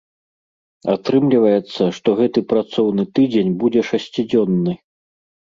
Атрымліваецца, што гэты працоўны тыдзень будзе шасцідзённы.